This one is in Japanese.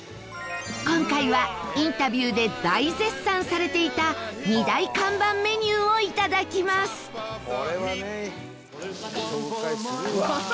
今回はインタビューで大絶賛されていた２大看板メニューをいただきます伊達：これはね、紹介するわ。